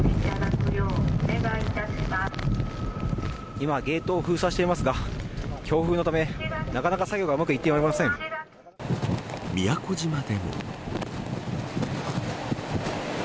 今ゲートを封鎖していますが強風のため、なかなか作業がうまくいっておりませ宮古島でも。